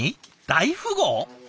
大富豪？